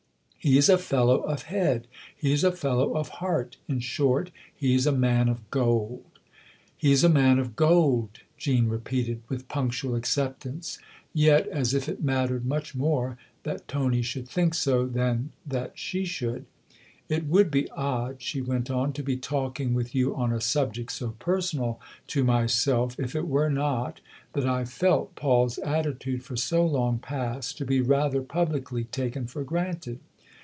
He's a fellow of head ; he's a fellow of heart. In short he's a man of gold." " He's a man of gold," Jean repeated with punctual acceptance, yet as if it mattered much more that Tony should think so than that she should. " It would be odd," she went on, " to be talking with you on a subject so personal to myself if it were not that I've felt Paul's attitude for so long past to be rather publicly taken for granted.